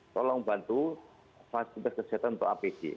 tolong bantu fasilitas kesehatan untuk apd